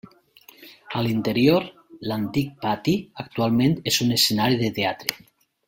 A l'interior, l'antic pati actualment és un escenari de teatre.